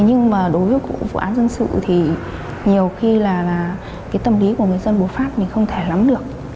nhưng mà đối với vụ án dân sự thì nhiều khi là tâm lý của người dân bộ pháp không thể lắm được